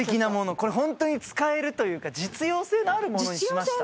これホントに使えるというか実用性のあるものにしました。